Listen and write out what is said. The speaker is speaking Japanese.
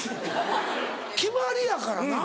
決まりやからな。